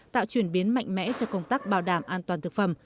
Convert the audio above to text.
tạo chuyển biến mạnh mẽ cho công tác bảo đảm an toàn thực phẩm